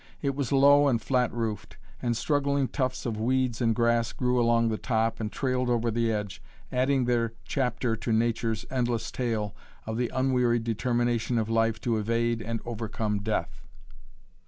It was low and flat roofed, and struggling tufts of weeds and grass grew along the top and trailed over the edge, adding their chapter to Nature's endless tale of the unwearied determination of Life to evade and overcome Death.